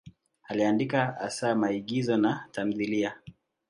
Aliandika hasa maigizo na tamthiliya.